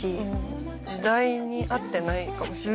時代に合ってないかもしれない。